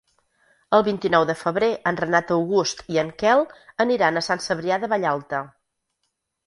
El vint-i-nou de febrer en Renat August i en Quel aniran a Sant Cebrià de Vallalta.